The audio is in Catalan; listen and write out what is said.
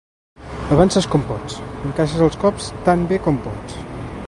Avances com pots, encaixes els cops tan bé com pots.